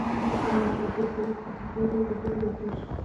دا نښې زیاتې دي موږ دلته یوازې مهمې در وپېژندلې.